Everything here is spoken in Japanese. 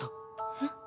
えっ？